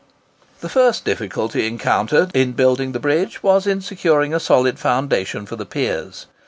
The first difficulty encountered in building the bridge was in securing a solid foundation for the piers.